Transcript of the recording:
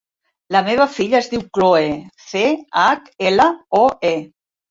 La meva filla es diu Chloe: ce, hac, ela, o, e.